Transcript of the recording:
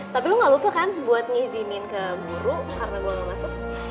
tapi lu gak lupa kan buat ngizinin ke guru karena gue gak masuk